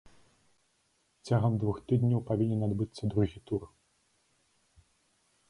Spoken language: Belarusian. Цягам двух тыдняў павінен адбыцца другі тур.